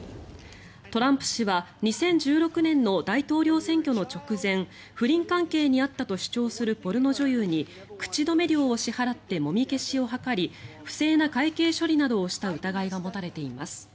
トランプ氏は２０１６年の大統領選挙の直前不倫関係にあったと主張するポルノ女優に口止め料を支払ってもみ消しを図り不正な会計処理などをした疑いが持たれています。